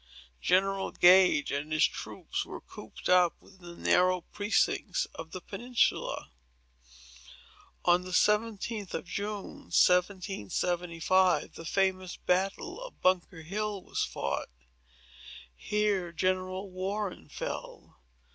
General Gage and his troops were cooped up within the narrow precincts of the peninsula. On the 17th of June, 1775, the famous battle of Bunker Hill was fought. Here General Warren fell.